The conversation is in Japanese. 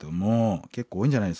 結構多いんじゃないですか？